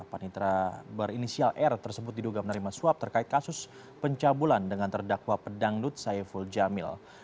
panitra berinisial r tersebut diduga menerima suap terkait kasus pencabulan dengan terdakwa pedangdut saiful jamil